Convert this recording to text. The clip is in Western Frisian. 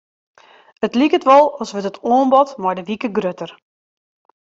It liket wol as wurdt it oanbod mei de wike grutter.